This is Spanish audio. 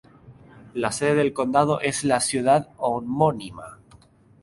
La sede del condado es la ciudad homónima.